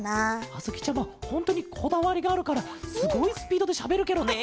あづきちゃまほんとにこだわりがあるからすごいスピードでしゃべるケロね。